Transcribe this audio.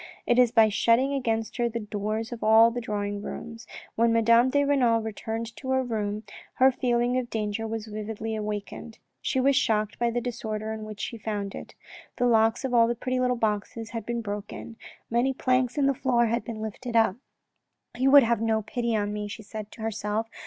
It is by shutting against her the doors of all the drawing rooms. When Madame de Renal returned to her room, her feeling of danger was vividly awakened. She was shocked by the disorder in which she found it. The locks of all the pretty little boxes had been broken. Many planks in the floor had been lifted up. " He would have no pity on me," she said to herself.